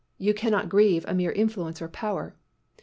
You cannot grieve a mere influence or power.